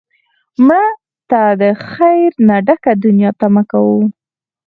مړه ته د خیر نه ډکه دنیا تمه کوو